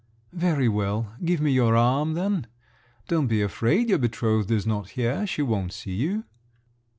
"Very well, give me your arm then; don't be afraid: your betrothed is not here—she won't see you."